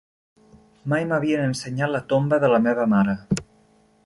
Mai m'havien ensenyat la tomba de la meva mare.